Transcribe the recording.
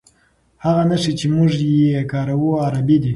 هغه نښې چې موږ یې کاروو عربي دي.